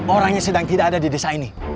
orangnya sedang tidak ada di desa ini